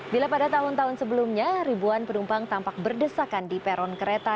bila pada tahun tahun sebelumnya ribuan penumpang tampak berdesakan di peron kereta